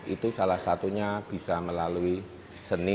itu salah satunya bisa melalui seni